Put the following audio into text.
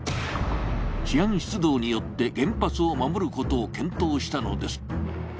治安出動によって原発を守ることを検討したのです。